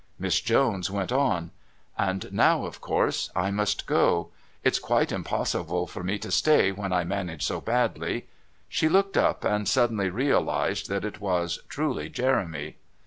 Miss Jones went on: "And now, of course, I must go. It's quite impossible for me to stay when I manage so badly " She looked up and suddenly realised that it was truly Jeremy.